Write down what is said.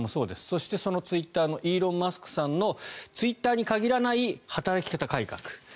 そして、そのツイッターのイーロン・マスクさんのツイッターに限らない働き方改革。